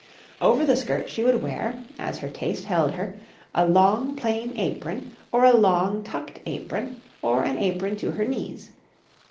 }] Over the skirt she would wear, as her taste held her, a long, plain apron, or a long, tucked apron, or an apron to her knees.